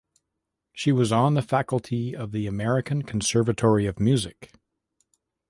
She was on the faculty of the American Conservatory of Music.